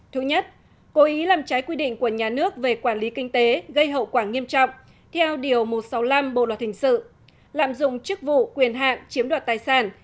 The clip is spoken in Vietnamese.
thứ nhất cố ý làm trái quy định của nhà nước về quản lý kinh tế gây hậu quả nghiêm trọng theo điều một trăm sáu mươi năm bộ luật hình sự lạm dụng chức vụ quyền hạn chiếm đoạt tài sản